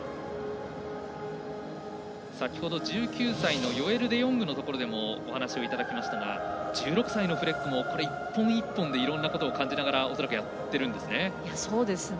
先ほど１９歳のヨエル・デヨングのところでもお話をいただきましたが１６歳のフレックも一本一本でいろんなことを感じながらやってるんですね。